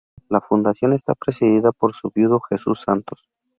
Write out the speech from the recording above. La fundación está presidida por su viudo Jesús Santos.